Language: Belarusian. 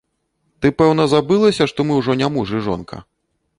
Ты, пэўна, забылася, што мы ўжо не муж і жонка?